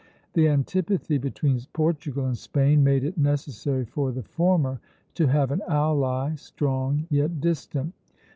The antipathy between Portugal and Spain made it necessary for the former to have an ally, strong yet distant.